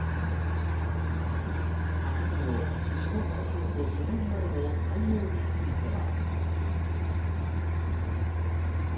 明後日の日本代表との初戦までの対応については。